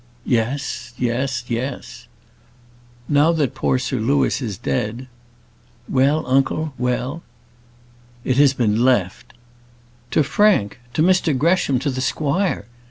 "Yes, yes, yes!" "Now that poor Sir Louis is dead " "Well, uncle, well?" "It has been left " "To Frank! to Mr Gresham, to the squire!"